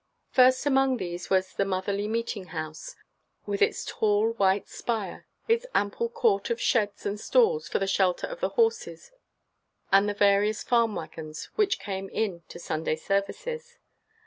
First among these was the motherly meeting house, with its tall white spire, its ample court of sheds and stalls for the shelter of the horses and the various farm wagons which came in to Sunday services.